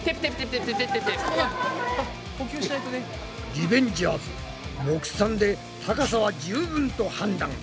リベンジャーズ目算で高さは十分と判断。